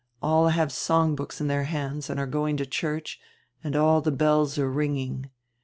All have songhooks in their hands and are going to church, and all the hells are ringing.